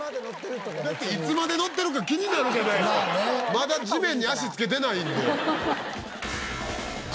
まだ地面に足着けてないんで。